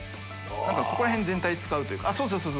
燭ここら辺全体使うというかそうそう。